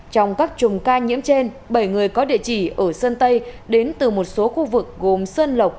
trong các chùm ca nhiễm trên bảy người có địa chỉ ở sơn tây đến từ một số khu vực gồm sơn lộc